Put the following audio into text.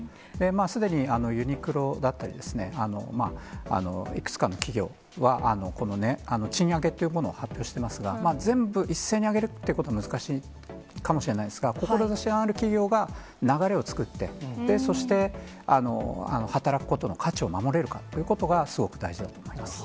すでにユニクロだったり、いくつかの企業は、この賃上げというものを発表していますが、全部一斉に上げるということは難しいかもしれないですが、志のある企業が、流れを作って、そして、働くことの価値を守れるかということが、すごく大事だと思います。